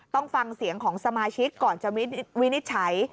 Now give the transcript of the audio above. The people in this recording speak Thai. ต้องฟังเสียงของสมาชิกก่อนจะวินิจฉัย